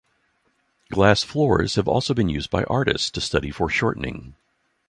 Glass floors have also been used by artists to study foreshortening.